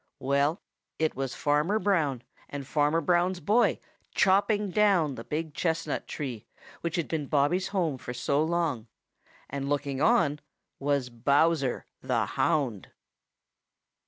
Well, it was Farmer Brown and Farmer Brown's boy chopping down the big chestnut tree which had been Bobby's home for so long. And looking on was Bowser the Hound.